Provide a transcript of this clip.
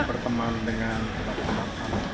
berteman dengan obat obatan